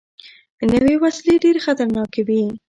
نوې وسلې ډېرې خطرناکې وي